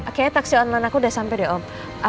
kayaknya taksi online aku udah sampe deh om